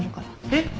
えっ？